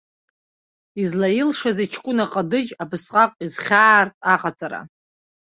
Излаилшазеи ҷкәына ҟадыџь, абасҟак изхьаартә аҟаҵара.